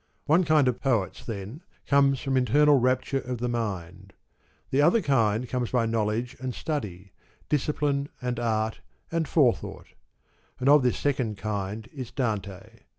One kind of poets then comes from internal rapture of mind. The other kind comes by knowledge and study, discipline and art and forethought ; and of this second kind is Dante.